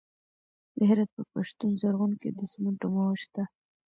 د هرات په پشتون زرغون کې د سمنټو مواد شته.